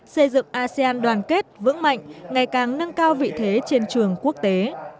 xây dựng asean đoàn kết vững mạnh ngày càng nâng cao vị thế trên trường quốc tế